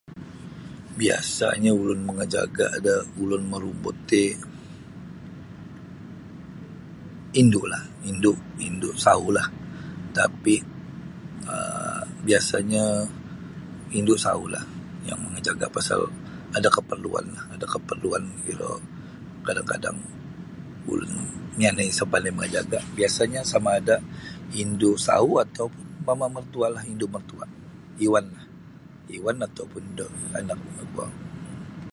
Biasanya ulun mamajaga da ulun marumbut ti indu lah indu indu sauhlah tapi um biasanyo indu sauhlah yang mamajaga pasal ada kaparluanlah ada kaparluan iro kadang-kadang ulun mianai isa mapandai mamajaga biasanyo samaada indu sauh ataupun mama mertualah indu mertua iwan iwan ataupun anak da guang.